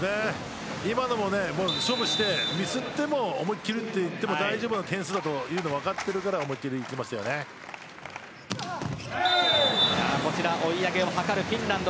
今のも勝負して、ミスっても思い切り打っていっても大丈夫な点数だと分かっているから追い上げを図るフィンランド。